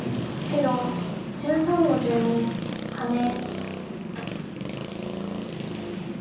白１３の十二ハネ。